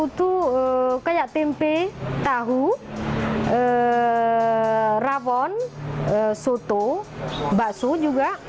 satu tuh kayak tempe tahu rawon soto bakso juga